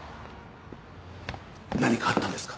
何かあったんですか？